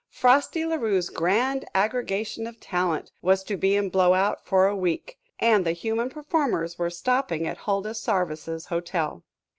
Frosty La Rue's grand aggregation of talent was to be in Blowout for a week, and the human performers were stopping at Huldah Sarvice's hotel.